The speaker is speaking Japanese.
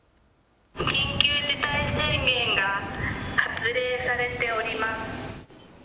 緊急事態宣言が発令されております。